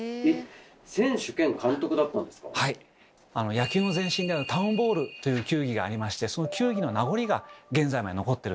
野球の前身である「タウン・ボール」という球技がありましてその球技の名残が現在まで残ってるんです。